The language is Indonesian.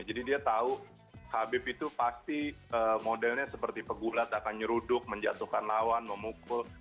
jadi dia tahu khabib itu pasti modelnya seperti pegulat akan nyeruduk menjatuhkan lawan memukul